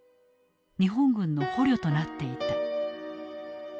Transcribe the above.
日本軍の捕虜となっていた。